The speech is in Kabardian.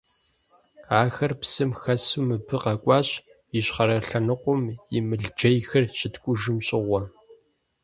Ахэр псым хэсу мыбы къэкӀуащ, ищхъэрэ лъэныкъуэм и мылджейхэр щыткӀужым щыгъуэ.